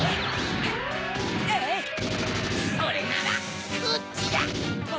それならこっちだ！